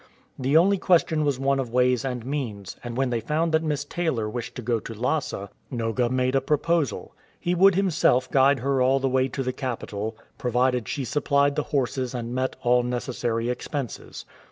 The only question w^as one of ways and means, and when they found that IMiss Taylor wished to go to Lhasa, Noga made a proposal. He would himself guide her all the way to the capital, provided she supplied the horses and met all necessary expenses.